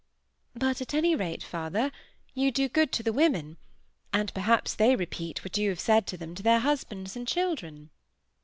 "But, at any rate, father, you do good to the women, and perhaps they repeat what you have said to them to their husbands and children?"